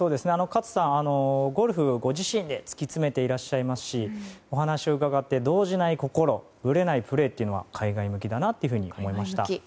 勝さん、ゴルフご自身で突き詰めていらっしゃいますしお話を伺って、動じない心ぶれないプレーというのは海外向きだなと思いました。